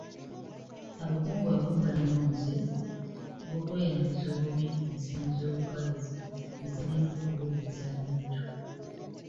Abakungu abamu balina omuze gw'okweyambisa obubi ensimbi z'olukale ezirina okuweereza abantu.